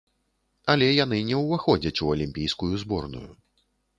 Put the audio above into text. Але яны не ўваходзяць у алімпійскую зборную.